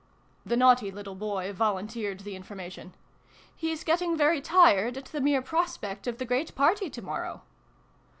(The naughty little boy volunteered the information.) " He's getting very tired, at the mere prospect of the great party to morrow